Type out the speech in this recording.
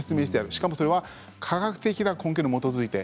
しかも、科学的な根拠に基づいて。